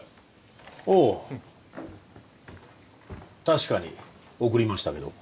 確かに送りましたけど。